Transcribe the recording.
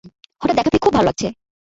হঠাৎ দেখা পেয়ে খুব ভালো লাগছে!